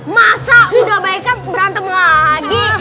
masa udah baik kan berantem lagi